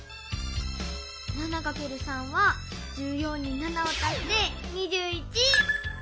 ７×３は１４に７を足して２１。